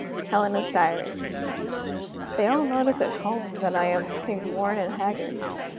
HELENA'S DIARY. They all notice at home that I am looking worn and haggard.